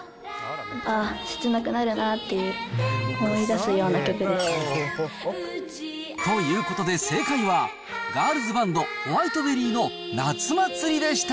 ああ、切なくなるなぁっていう、ということで、正解はガールズバンド、Ｗｈｉｔｅｂｅｒｒｙの夏祭りでした。